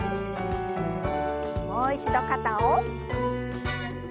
もう一度肩を。